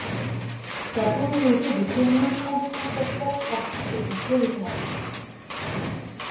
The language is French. La communauté de communes compte plusieurs clubs sportifs sur son territoire.